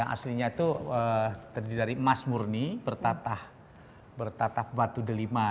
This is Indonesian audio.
yang aslinya itu terdiri dari emas murni bertatah batu delimah